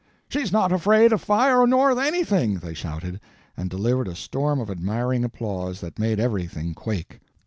"She's not afraid of fire nor anything!" they shouted, and delivered a storm of admiring applause that made everything quake.